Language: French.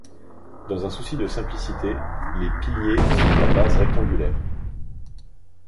Dans un souci de simplicité, les piliers sont à base rectangulaire.